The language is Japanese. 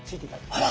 あら！